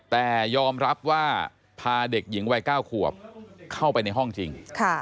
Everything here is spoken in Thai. แต่ยอมรับว่าพาเด็กหญิงวัย๙ขวบเข้าไปในห้องจริง